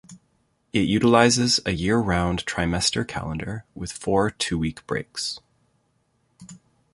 It utilizes a year-round trimester calendar, with four two-week breaks.